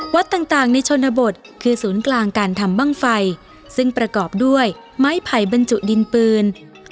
วัดต่างในชนบทคือศูนย์กลางการทำบ้างไฟซึ่งประกอบด้วยไม้ไผ่บรรจุดินปืน